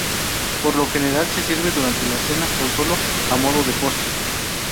Por lo general se sirve durante la cena o solo a modo de postre.